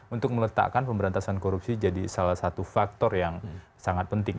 untuk meletakkan pemberantasan korupsi jadi salah satu faktor yang sangat penting